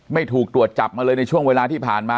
ไม่ถูกตรวจจับมาเลยในช่วงเวลาที่ผ่านมา